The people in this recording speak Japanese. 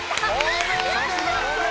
おめでとうございます！